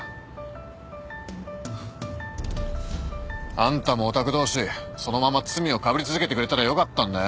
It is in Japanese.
あんたもオタク同士そのまま罪をかぶり続けてくれたらよかったんだよ。